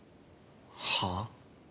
はあ？